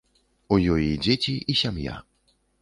У ёй і дзеці, і сям'я.